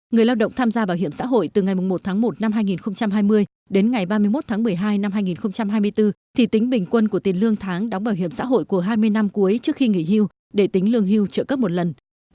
người lao động tham gia bảo hiểm xã hội từ ngày một tháng một năm hai nghìn hai mươi đến ngày ba mươi một tháng một mươi hai năm hai nghìn hai mươi bốn thì tính bình quân của tiền lương tháng đóng bảo hiểm xã hội của hai mươi năm cuối trước khi nghỉ hưu để tính lương hưu trợ cấp một lần